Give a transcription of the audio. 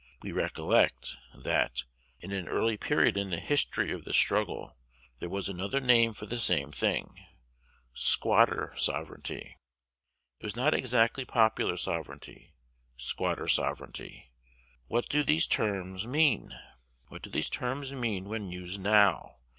We recollect, that, in an early period in the history of this struggle, there was another name for the same thing, squatter sovereignty. It was not exactly popular sovereignty, squatter sovereignty. What do these terms mean? What do those terms mean when used now?